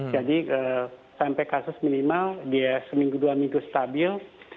jadi sampai kasus minimal dia seminggu dua minggu stabil